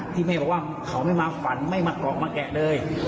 แม่บอกว่าเขาไม่มาฝันไม่มากรอกมาแกะเลย